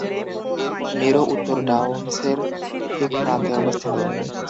মেরো উত্তর ডাউনসের ঠিক প্রান্তে অবস্থিত।